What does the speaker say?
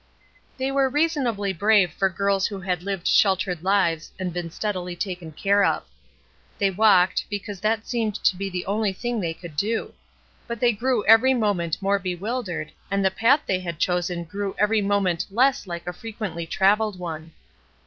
They were reasonably brave for girls who had hved sheltered lives and been steadily taken care of. They walked, because that seemed to be the only thing they could do; but they grew every moment more bewildered, and the path they had chosen grew every mo ment less Uke a frequently travelled one.